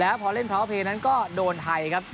แล้วพอเล่นเพราะเพย์นั้นก็โดนไทยครับ